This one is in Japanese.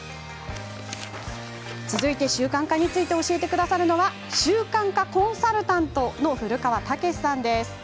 続いて、習慣化について教えてくれるのは習慣化コンサルタントの古川武士さん。